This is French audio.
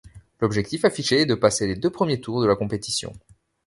L'objectif affiché est de passer les deux premiers tours de la compétition.